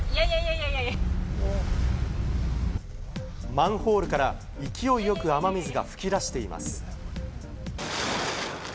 マンホールから勢いよく雨水が噴き出しています。